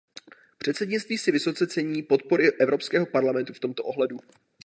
Předsednictví si vysoce cení podpory Evropského parlamentu v tomto ohledu.